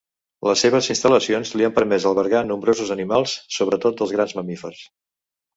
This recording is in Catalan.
Les seves instal·lacions li han permès albergar nombrosos animals, sobretot dels grans mamífers.